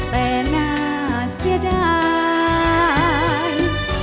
แต่น่าเสียดาย